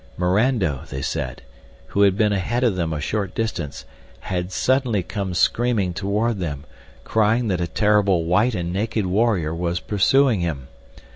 Mirando, they said, who had been ahead of them a short distance, had suddenly come screaming toward them, crying that a terrible white and naked warrior was pursuing him.